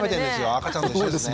赤ちゃんと一緒ですね。